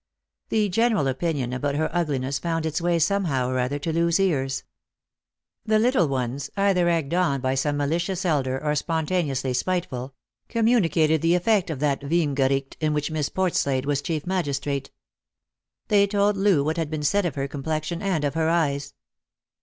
The general opinion about her ugliness found its way some how or other to Loo's ears. The little ones — either egged on by some malicious elder or spontaneously spiteful — communicated the effect of that Veiling ericht in which Miss Portslade was chief magistrate. They told Loo what had been said of her complexion and of her eyes.